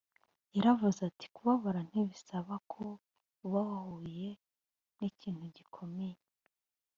yaravuze ati kubabara ntibisaba ko uba wahuye n ikintu gikomeye